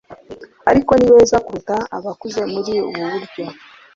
Ariko ni beza kuruta abakuze muri ubu buryo